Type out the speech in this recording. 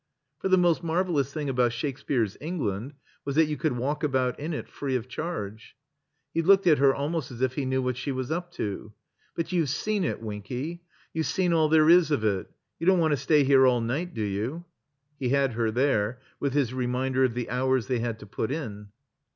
For the most marvelous thing about Shakespeare's England was that you cotdd walk about in it free of charge. He looked at her almost as if he knew what she was up to. "But you've seen it, Winky. You've seen all there is of it. You don't want to stay here all night, do you?" He had her there, with his reminder of the hours they had to put in.